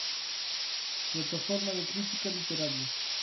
Plataforma de Crítica Literaria.